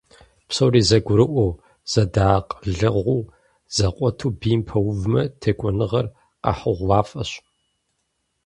Псори зэгурыӀуэу, зэдэакъылэгъуу, зэкъуэту бийм пэувмэ, текӀуэныгъэр къэхьыгъуафӀэщ.